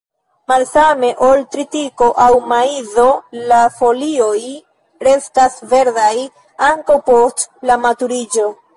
Malsame ol tritiko aŭ maizo, la folioj restas verdaj ankaŭ post la maturiĝo.